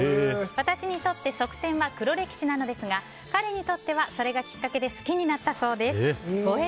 私にとって側転は黒歴史なのですが彼にとってはそれがきっかけで好きになったそうです。